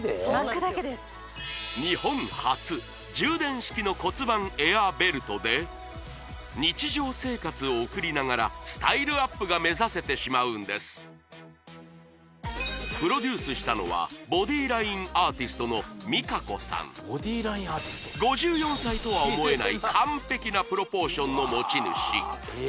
日本初充電式の骨盤エアーベルトで日常生活を送りながらスタイルアップが目指せてしまうんですプロデュースしたのは５４歳とは思えない完璧なプロポーションの持ち主